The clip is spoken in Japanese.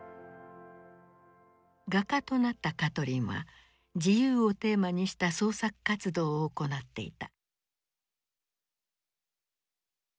画家となったカトリンは「自由」をテーマにした創作活動を行っていた。